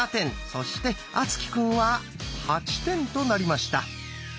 そして敦貴くんは８点となりました。